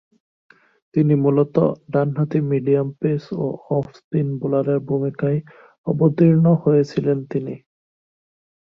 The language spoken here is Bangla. তিনি মূলতঃ ডানহাতি মিডিয়াম-পেস ও অফ-স্পিন বোলারের ভূমিকায় অবতীর্ণ হয়েছিলেন তিনি।